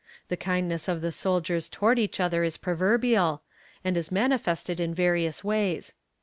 The kindness of the soldiers toward each other is proverbial, and is manifested in various ways.